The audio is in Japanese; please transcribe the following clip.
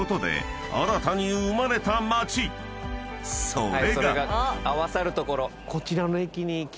［それが］